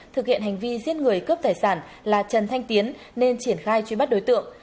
thực hiện hành vi giết người cướp tài sản là trần thanh tiến nên triển khai truy bắt đối tượng